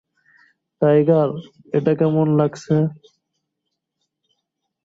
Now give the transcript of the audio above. Tiger, এটা কেমন লাগছে?